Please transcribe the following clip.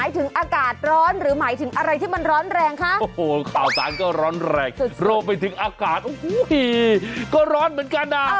และเวลามากัดให้สมัครต่อเรา๒คนใน